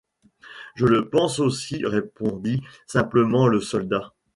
Je le pense aussi, répondit simplement le soldat.